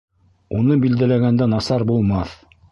Уны билдәләгәндә насар булмаҫ.